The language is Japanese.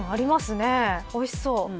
おいしそう。